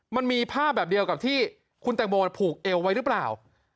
มันมีภาพแบบเดียวกับที่คุณแตงโมผูกเอวไว้หรือเปล่า